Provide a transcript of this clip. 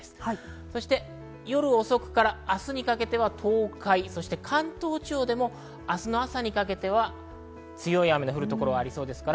夜遅くから明日にかけては東海、そして関東地方でも明日の朝にかけては強い雨の降る所がありそうです。